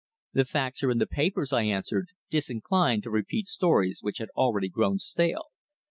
"The facts are in the papers," I answered, disinclined to repeat stories which had already grown stale.